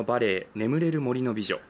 「眠れる森の美女」。